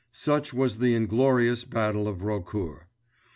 Such was the inglorious battle of Raucourt.